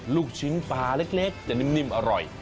ลูกชิ้นปลาเล็กจะนิ่มอร่อย